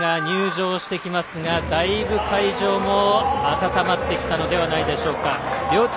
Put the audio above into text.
このあと選手たちが入場してきますがだいぶ、会場も温まってきたのではないでしょうか。